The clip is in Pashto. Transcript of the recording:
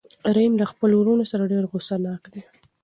رحیم له خپل ورور نه ډېر غوسه ناک دی.